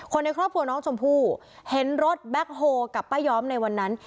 ในครอบครัวน้องชมพู่เห็นรถแบ็คโฮกับป้าย้อมในวันนั้น